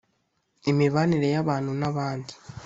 imibanire y‟abantu n‟abandi